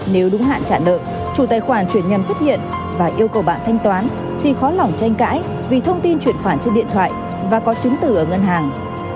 nếu đúng hạn trả nợ chủ tài khoản chuyển nhằm xuất hiện và yêu cầu bạn thanh toán thì khó lỏng tranh cãi vì thông tin chuyển khoản trên điện thoại và có chứng từ ở ngân hàng